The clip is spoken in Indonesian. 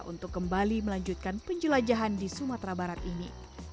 untuk kembali melanjutkan penjelajahan di sumatera barat ini